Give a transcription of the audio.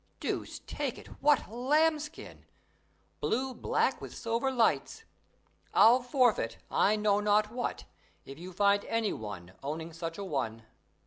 deuce take it, what lambskin! blue black with silver lights. I'll forfeit, I know not what, if you find any one else owning such a one.